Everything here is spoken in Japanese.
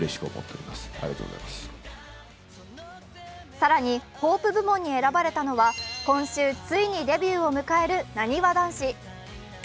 さらにホープ部門に選ばれたのは今週ついにデビューを迎えるなにわ男子。